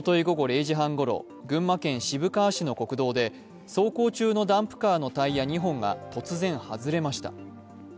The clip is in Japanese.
午後０時半ごろ、群馬県渋川市の国道で走行中のダンプカーのタイヤ２本が突然、外れました。